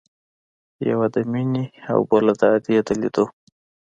يوه د مينې او بله د ادې د ليدو.